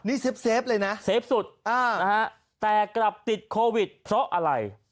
นี่เซฟเลยนะเซฟสุดแต่กลับติดโควิดเพราะอะไร